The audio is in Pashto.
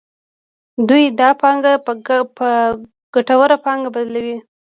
دوی دا پانګه په ګټوره پانګه بدلوي